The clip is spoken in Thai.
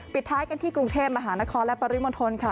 ปิดท้ายกันที่กรุงเทพมหานครและปริมณฑลค่ะ